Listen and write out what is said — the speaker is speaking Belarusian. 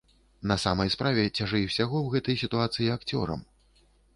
На самай справе, цяжэй усяго ў гэтай сітуацыі акцёрам.